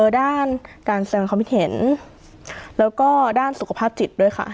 ด้านการสัญญาคอมพิเทียนแล้วก็ด้านสุขภาพจิตด้วยค่ะ